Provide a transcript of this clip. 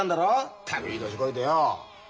ったくいい年こいてよお。